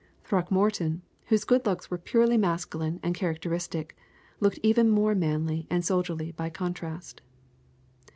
Throckmorton, whose good looks were purely masculine and characteristic, looked even more manly and soldierly by contrast.